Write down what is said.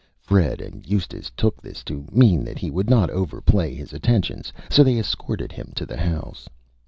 Fred and Eustace took this to mean that he would not Overplay his Attentions, so they escorted him to the House.